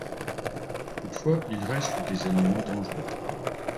Toutefois ils restent des animaux dangereux.